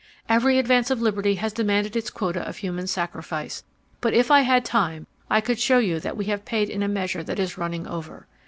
Every advance of liberty has demanded its quota of human sacrifice, but if I had time I could show you that we have paid in a measure that is running over.